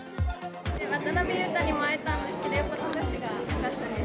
渡邊雄太にも会えたんですけど、やっぱり富樫がよかったです。